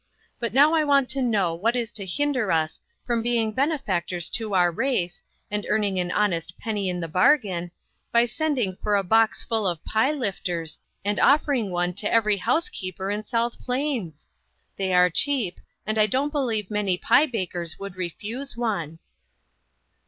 But now I want to know what is to hinder us from being bene factors to our race, and earning an honest penny in the bargain, by sending for a box MAKING OPPORTUNITIES. 1 1/ full of pie lifters, and offering one to every housekeeper in South Plains? They are cheap, arid I don't believe many pie bakers would refuse one."